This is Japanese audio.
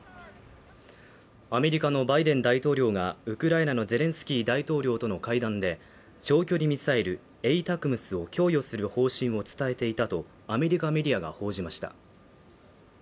アメリカのバイデン大統領がウクライナのゼレンスキー大統領との会談で長距離ミサイルＡＴＡＣＭＳを供与する方針を伝えていたとアメリカメディアが報じました